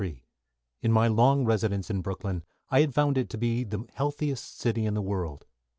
In my long residence in Brooklyn I had found it to be the healthiest city in the world.